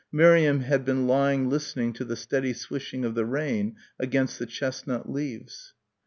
Miriam had been lying listening to the steady swishing of the rain against the chestnut leaves.